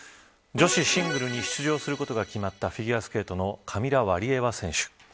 女子シングルに出場することが決まったフィギュアスケートのカミラ・ワリエワ選手。